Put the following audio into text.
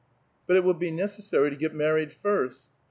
" But it will be necessary to get married first."